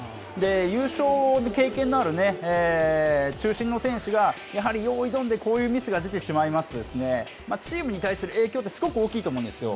優勝経験のある中心の選手が、やはり用意どんでこういうミスが出てしまいますと、チームに対する影響って、すごく大きいと思うんですよ。